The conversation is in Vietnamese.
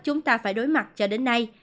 chúng ta phải đối mặt cho đến nay